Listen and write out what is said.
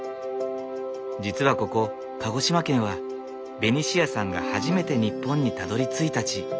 実はここ鹿児島県はベニシアさんが初めて日本にたどりついた地。